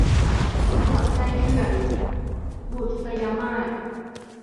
หัวใจเถื่อน - บุษยมาส